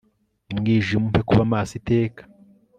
umwijima, umpe kuba maso iteka